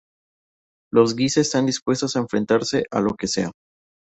Los Guisa están dispuestos a enfrentarse a lo que sea.